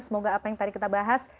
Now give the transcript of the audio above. semoga apa yang tadi kita bahas